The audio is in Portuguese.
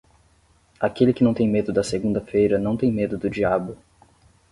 Aquele que não tem medo da segunda-feira não tem medo do diabo.